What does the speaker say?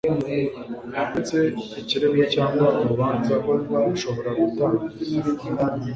uretse ikirego cyangwa urubanza ashobora gutangiza